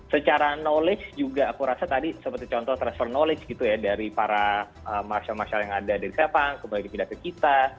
secara knowledge juga aku rasa tadi seperti contoh transfer knowledge gitu ya dari para masyarakat yang ada di sepang kembali ke pindakir kita